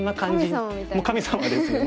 神様ですね。